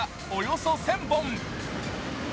およそ１０００本。